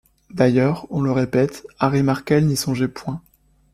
D’ailleurs, on le répète, Harry Markel n’y songeait point.